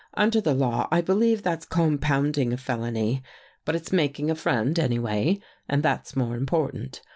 Under the law, I believe that's compounding a fel ony. But it's making a friend, anyway, and that's more important.